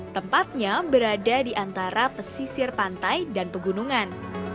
tempatnya berada di antara pesisir pantai dan pegunungan